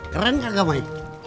keren nggak mai